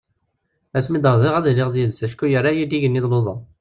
Asmi i d-rḍiɣ ad iliɣ d yid-s acku yerra-iy-d igenni d luḍa.